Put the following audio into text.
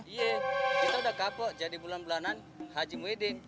iya kita udah kapok jadi bulan bulanan haji muidin